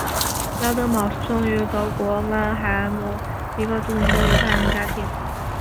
拉登堡出生于德国曼海姆一个著名的犹太人家庭。